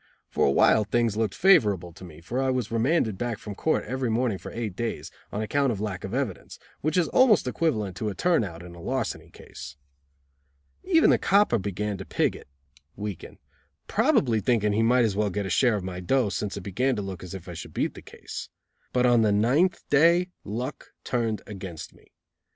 For a while things looked favorable to me, for I was remanded back from court every morning for eight days, on account of lack of evidence, which is almost equivalent to a turn out in a larceny case. Even the copper began to pig it (weaken), probably thinking he might as well get a share of my "dough," since it began to look as if I should beat the case. But on the ninth day luck turned against me.